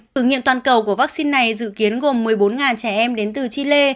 thử nghiệm toàn cầu của vắc xin này dự kiến gồm một mươi bốn trẻ em đến từ chile